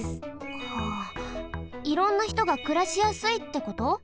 はあいろんなひとがくらしやすいってこと？